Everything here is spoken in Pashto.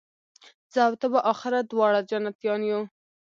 زه او ته به آخر دواړه جنتیان یو